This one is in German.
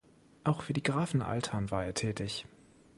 Auch für die Grafen Althan war er tätig.